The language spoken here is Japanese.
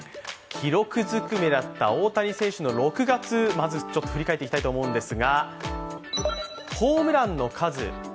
記録ずくめだった大谷選手の６月、まず振り返っていきたいと思います。